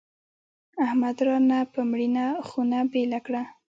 احمد رانه په مړینه خونه بېله کړه.